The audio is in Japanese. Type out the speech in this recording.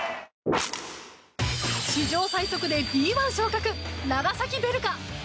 史上最速でＢ１昇格長崎ヴェルカ！